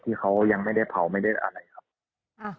ที่เขายังไม่ได้เผาไม่ได้อะไรครับ